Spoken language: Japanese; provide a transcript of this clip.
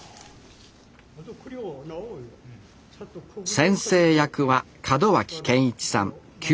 先生役は門脇憲一さん９０歳。